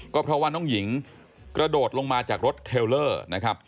ก็เพราะว่าน้องหญิงกระโดดลงมาจากรถเทลเลอร์นะครับ